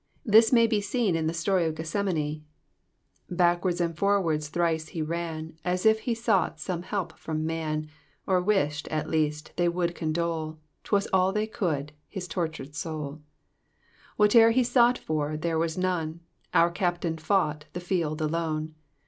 This may be seen in the story of Gethsemane :—<* Backwards and forwards thrice he ran, As if he sought some help from man ; Or wish'd, at least, they would condole— Twas all they could— his tortured souk Whatever he sought for. there was none ;' Our Cuptaln fought the field alone.